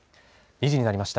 ２時になりました。